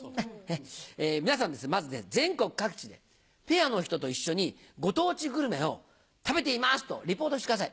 皆さんまず全国各地でペアの人と一緒に「ご当地グルメを食べています」とリポートしてください。